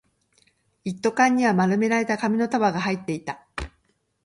一斗缶には丸められた紙の束が入っていた